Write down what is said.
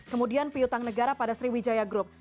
kemudian piutang negara pada sriwijaya group